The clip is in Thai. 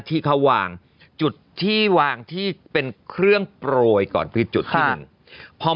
ที่เขาวางจุดที่วางที่เป็นเครื่องโปรยก่อนคือจุดที่หนึ่งพอ